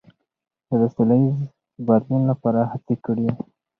ده د سولهییز بدلون لپاره هڅې کړي.